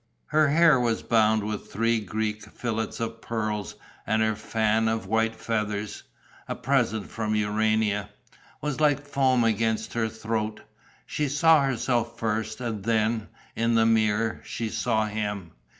Her hair was bound with three Greek fillets of pearls; and her fan of white feathers a present from Urania was like foam against her throat. She saw herself first and then, in the mirror, she saw him.